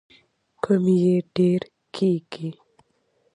کم یې ډیر کیږي.